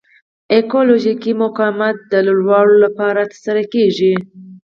ایکالوژیکي مقاومت د لوړلولو لپاره ترسره کیږي.